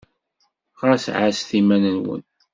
Ɣas ɛasset iman-nwen!